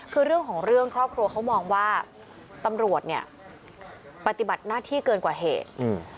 คือเรื่องของเรื่องครอบครัวเขามองว่าตำรวจเนี่ยปฏิบัติหน้าที่เกินกว่าเหตุอืม